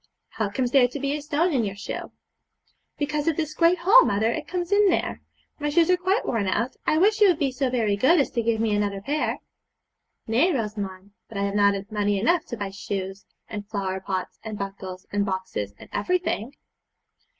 'How comes there to be a stone in your shoe?' 'Because of this great hole, mother; it comes in there. My shoes are quite worn out. I wish you would be so very good as to give me another pair.' 'Nay, Rosamond, but I have not money enough to buy shoes, and flower pots, and buckles, and boxes, and everything.'